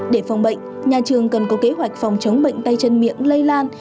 để phòng bệnh nhà trường cần có kế hoạch phòng chống bệnh tay chân miệng lây lan